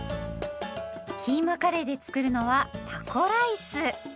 キーマカレーで作るのはタコライス。